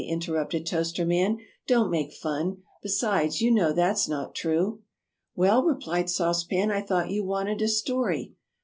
interrupted Toaster Man, "don't make fun, besides, you know that's not true." "Well," replied Sauce Pan, "I thought you wanted a story!"